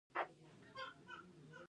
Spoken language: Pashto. ښارونه د افغانستان د بشري فرهنګ برخه ده.